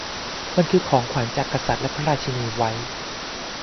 มันคือของขวัญจาก กษัตริย์และพระราชินีไวท์